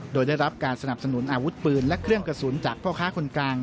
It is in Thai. โดยได้รับการสนับสนุนอาวุธปืนและเครื่องกระสุนจากพ่อค้าคนกลาง